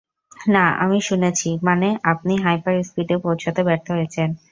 না, আমি শুনেছি-- মানে-- - আপনি হাইপার-স্পীডে পৌঁছতে ব্যর্থ হয়েছেন।